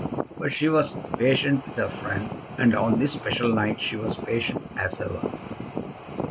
But she was patient with her friend, and on this special night she was patient as ever.